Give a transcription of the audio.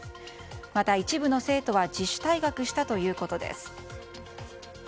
また、一部の生徒は自主退学したということです。